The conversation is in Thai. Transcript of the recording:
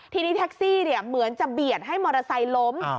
ทีนี้แท็กซี่เหมือนจะเบียดให้มอเตอร์ไซค์ล้ม